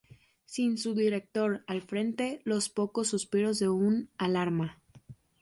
Sin su director al frente, los pocos suspiros de un "Alarma!